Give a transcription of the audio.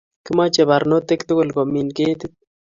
Kimache barnotik tukul komin ketit